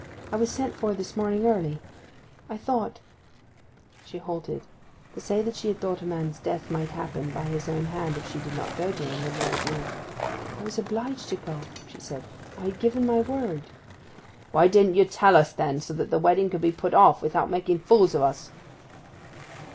I was sent for this morning early. I thought—.' She halted. To say that she had thought a man's death might happen by his own hand if she did not go to him, would never do. 'I was obliged to go,' she said. 'I had given my word.' 'Why didn't you tell us then, so that the wedding could be put off, without making fools o' us?